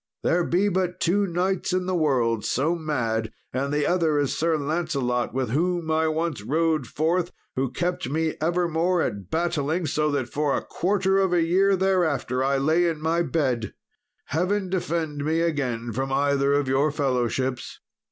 There be but two knights in the world so mad, and the other is Sir Lancelot, with whom I once rode forth, who kept me evermore at battling so that for a quarter of a year thereafter I lay in my bed. Heaven defend me again from either of your fellowships!"